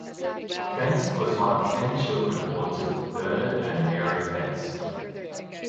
Fenske was one of ten children born to Bernard and Mary Fenske.